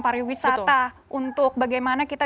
pariwisata untuk bagaimana kita